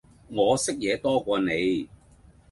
我識野多過你